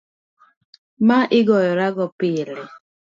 ma igoyorago pile